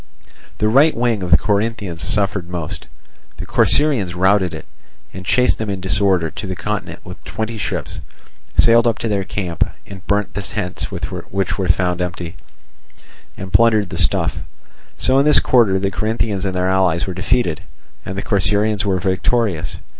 The right wing of the Corinthians suffered most. The Corcyraeans routed it, and chased them in disorder to the continent with twenty ships, sailed up to their camp, and burnt the tents which they found empty, and plundered the stuff. So in this quarter the Corinthians and their allies were defeated, and the Corcyraeans were victorious.